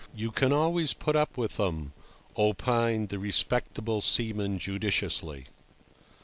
"You can always put up with 'em," opined the respectable seaman judicially.